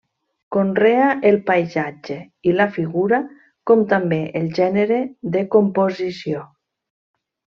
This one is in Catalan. Conrea el paisatge i la figura, com també el gènere de composició.